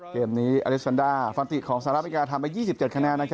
เกมนี้อเล็กซันดาฟันติของสหรัฐอเมริกาทำไป๒๗คะแนน